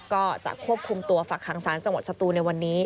ก็จะควบคุมตัวฝักขังสารจังหวัดสตูนในวันนี้